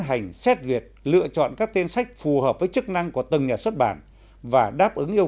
hành xét duyệt lựa chọn các tên sách phù hợp với chức năng của từng nhà xuất bản và đáp ứng yêu